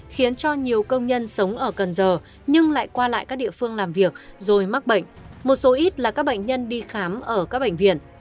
khiến cho nhiều công nhân sống ở cần giờ nhưng lại qua lại các địa phương làm việc rồi mắc bệnh một số ít là các bệnh nhân đi khám ở các bệnh viện